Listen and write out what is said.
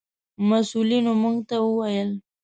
مسؤلینو موږ ته و ویل: